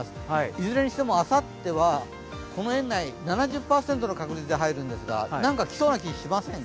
いずれにしても、あさってはこの円内、７０％の確率で入るんですがなんかきそうな気、しません？